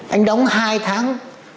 anh đóng hai tháng sáu mươi bốn